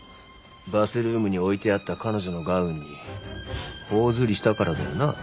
バスルームに置いてあった彼女のガウンに頬ずりしたからだよな？